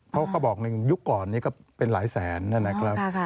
เพราะกระบอกหนึ่งยุคก่อนนี้ก็เป็นหลายแสนนะครับ